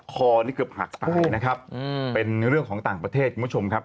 คอนี่เกือบหักตายนะครับเป็นเรื่องของต่างประเทศคุณผู้ชมครับ